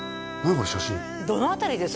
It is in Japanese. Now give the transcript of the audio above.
この写真どの辺りです？